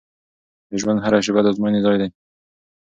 د ژوند هره شیبه د ازموینې ځای دی.